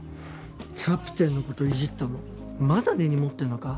キャプテンの事いじったのまだ根に持ってんのか？